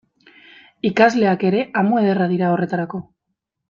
Ikasleak ere amu ederra dira horretarako.